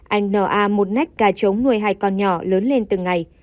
anh n a một nách cà trống nuôi hai con nhỏ lớn lên từng ngày